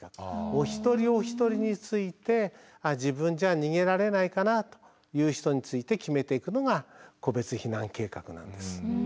お一人お一人について「ああ自分じゃ逃げられないかな」という人について決めていくのが個別避難計画なんです。